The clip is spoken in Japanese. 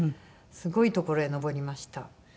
すごい所へ登りました。